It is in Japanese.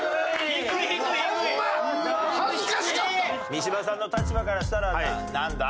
三島さんの立場からしたらなんだ？